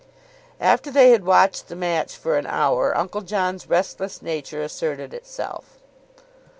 After they had watched the match for an hour, Uncle John's restless nature asserted itself.